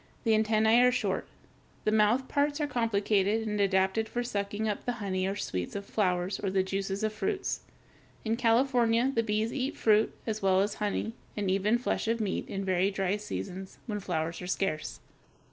The antennæ are short. The mouth parts (Fig. 248) are complicated, and adapted for sucking up the honey or sweets of flowers or the juices of fruits. In California, the bees eat fruit as well as honey, and even flesh or meat, in very dry seasons, when flowers are scarce.